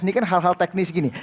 ini kan hal hal teknis gini